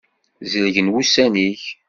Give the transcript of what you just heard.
Zelgen wussan-ik.